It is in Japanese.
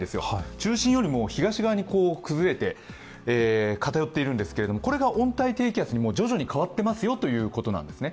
中心よりも東側に崩れて偏っているんですけどこれが温帯低気圧に徐々に変わってますよということなんですね。